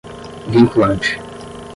vinculante